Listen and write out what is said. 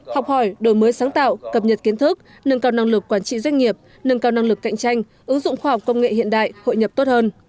học hỏi đổi mới sáng tạo cập nhật kiến thức nâng cao năng lực quản trị doanh nghiệp nâng cao năng lực cạnh tranh ứng dụng khoa học công nghệ hiện đại hội nhập tốt hơn